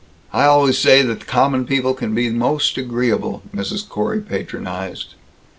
"I always say that common people can be most agreeable," Mrs. Corey patronized.